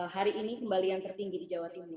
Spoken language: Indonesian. hari ini kembali yang tertinggi di jawa timur